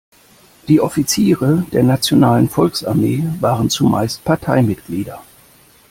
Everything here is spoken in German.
Die Offiziere der Nationalen Volksarmee waren zumeist Parteimitglieder.